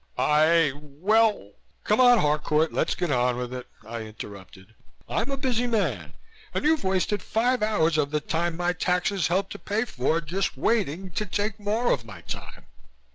"I well " "Come on, Harcourt, let's get on with it!" I interrupted. "I'm a busy man and you've wasted five hours of the time my taxes help to pay for, just waiting to take more of my time."